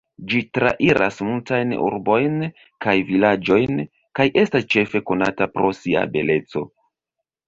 Ĝi trairas multajn urbojn kaj vilaĝojn kaj estas ĉefe konata pro sia beleco.